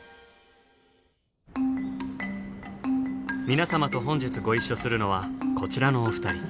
皆様と本日ご一緒するのはこちらのお二人。